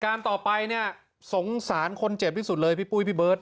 การต่อไปเนี่ยสงสารคนเจ็บที่สุดเลยพี่ปุ้ยพี่เบิร์ต